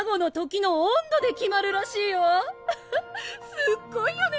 すっごいよね。